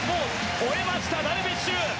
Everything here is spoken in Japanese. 吠えました、ダルビッシュ！